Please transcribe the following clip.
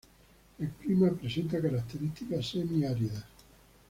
El clima presenta características semi áridas.